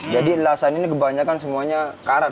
jadi lasan ini kebanyakan semuanya karat